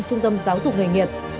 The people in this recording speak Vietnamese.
trung tâm giáo dục nghề nghiệp